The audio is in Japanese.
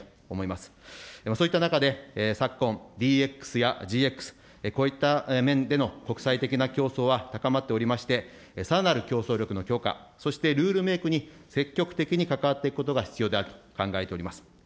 でもそういった中で昨今、ＤＸやＧＸ、こういった面での国際的な競争は高まっておりまして、さらなる競争力の強化、そしてルールメークに積極的に関わっていくことが必要であると考えております。